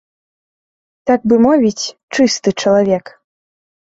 Так бы мовіць, чысты чалавек.